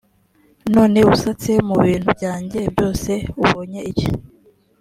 none usatse mu bintu byanjye byose ubonye iki